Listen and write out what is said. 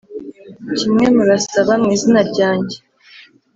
kimwe murasaba mu izina ryanjye